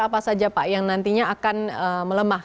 apa saja pak yang nantinya akan melemah